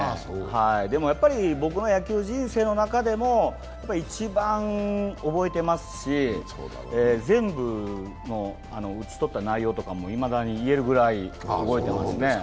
でも、やはり僕の野球人生の中でも一番覚えてますし、全部の打ち取った内容とかもいまだに言えるぐらい覚えていますね。